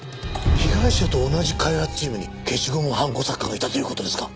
被害者と同じ開発チームに消しゴムはんこ作家がいたという事ですか？